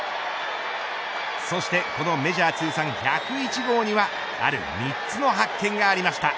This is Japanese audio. そして、このメジャー通算１０１号にはある３つの発見がありました。